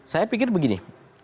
saya pikir begini